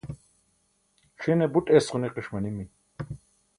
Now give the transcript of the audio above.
c̣ʰine buṭ es ġuniqiṣ manimi